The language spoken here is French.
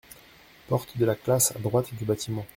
Porte de la classe à droite du bâtiment.